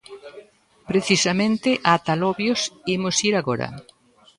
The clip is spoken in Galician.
Precisamente ata Lobios imos ir agora.